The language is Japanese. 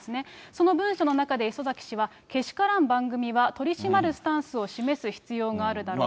その文書の中で礒崎氏は、けしからん番組は取り締まるスタンスを示す必要があるだろうと。